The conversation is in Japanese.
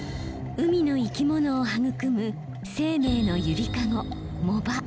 海の生き物を育む生命の揺りかご藻場。